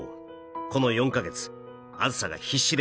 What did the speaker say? この４カ月あずさが必死で」